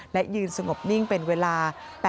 และยืนสงบนิ่งเป็นเวลา